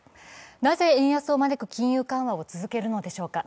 なぜ円安を招く金融緩和を続けるのでしょうか。